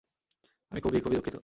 আমি খুবই, খুবই দুঃখিত।